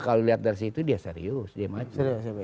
kalau dilihat dari situ dia serius dia maju